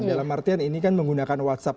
dalam artian ini kan menggunakan whatsapp